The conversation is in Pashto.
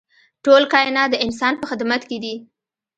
ټول کاینات د انسان په خدمت کې دي.